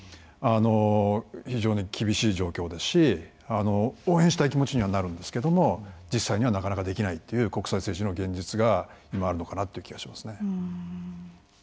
あの非常に厳しい状況ですし応援したい気持ちにはなるんですけども実際にはなかなかできないという国際政治の現実が今あるのかなという気がしますね。